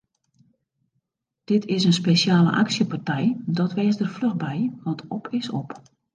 Dit is in spesjale aksjepartij, dat wês der fluch by want op is op!